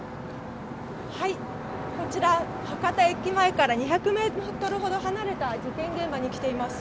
こちらは多可駅前から２００ｍほど離れた事件現場に来ています。